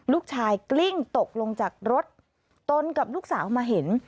ลูกชายกลิ้งตกลงจากรถตนกับลูกสาวมาเห็น